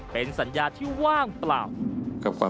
เป็นสัญญาที่ว่างเปล่า